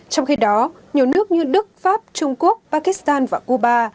trong khi đó nhiều nước như đức pháp trung quốc pakistan và quốc gia